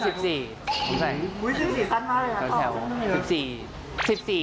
สิ่งสิ่งสั้นมากเลยนะ